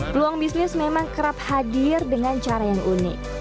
peluang bisnis memang kerap hadir dengan cara yang unik